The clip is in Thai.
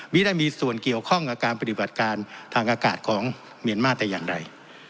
ไม่ได้มีส่วนเกี่ยวข้องกับการปฏิบัติการทางอากาศของเมียนมาแต่อย่างใด